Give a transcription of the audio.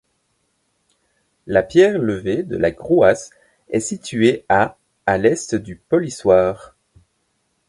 La Pierre Levée de la Grouas est située à à l'est du polissoir.